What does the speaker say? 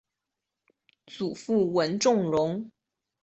祖父文仲荣。